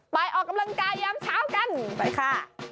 ออกกำลังกายยามเช้ากันไปค่ะ